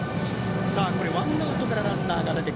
ワンアウトからランナーが出て。